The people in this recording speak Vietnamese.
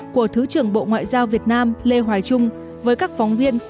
của thứ trưởng bộ ngoại giao việt nam lê hoài trung với các phóng viên